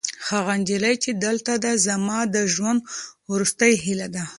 هغه نجلۍ چې دلته ده، زما د ژوند وروستۍ هیله ده.